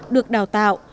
được đào tạo